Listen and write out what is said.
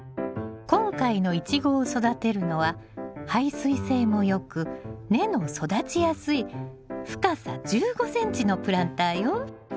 今回のイチゴを育てるのは排水性も良く根の育ちやすい深さ１５ｃｍのプランターよ。